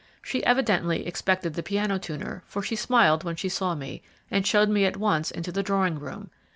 She evidently expected the piano tuner, for she smiled when she saw me, and showed me at once into the drawing room.